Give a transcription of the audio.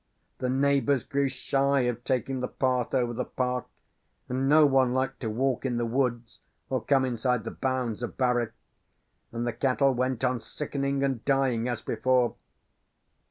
The neighbours grew shy of taking the path over the park; and no one liked to walk in the woods, or come inside the bounds of Barwyke: and the cattle went on sickening and dying as before.